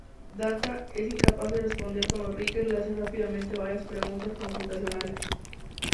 Data es incapaz de responder cuando Riker le hace rápidamente varias preguntas computacionales.